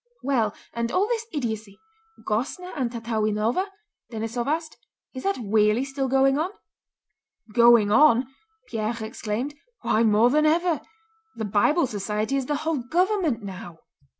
"Well, and all this idiocy—Gossner and Tatáwinova?" Denísov asked. "Is that weally still going on?" "Going on?" Pierre exclaimed. "Why more than ever! The Bible Society is the whole government now!"